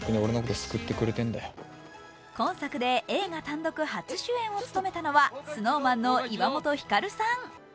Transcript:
今作で映画単独初主演を務めたのはＳｎｏｗＭａｎの岩本照さん。